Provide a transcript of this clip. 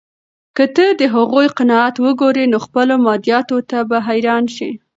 که ته د هغوی قناعت وګورې، نو خپلو مادیاتو ته به حیران شې.